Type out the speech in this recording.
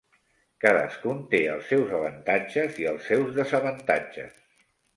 Cadascun té els seus avantatges i els seus desavantatges.